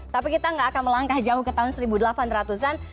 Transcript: tapi kita nggak akan melangkah jauh ke tahun seribu delapan ratus an